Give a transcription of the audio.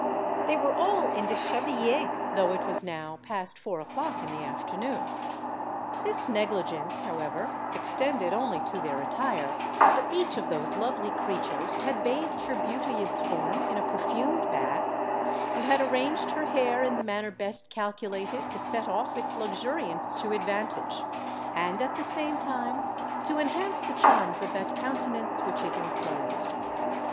They were all in deshabillée, though it was now past four o'clock in the afternoon. This negligence, however, extended only to their attire; for each of those lovely creatures had bathed her beauteous form in a perfumed bath, and had arranged her hair in the manner best calculated to set off its luxuriance to advantage and at the same time to enhance the charms of that countenance which it enclosed.